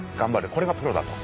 これがプロだと。